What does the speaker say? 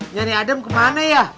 nyari adam kemana ya